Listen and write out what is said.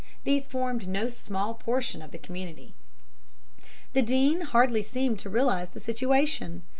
these formed no small portion of the community. "The Dean hardly seemed to realize the situation.